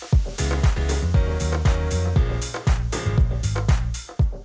jangan lupa beri komentar